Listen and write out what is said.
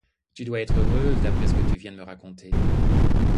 Tu dois être heureuse, d'après ce que tu viens de me raconter.